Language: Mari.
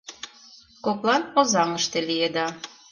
Коклан Озаҥыште лиеда.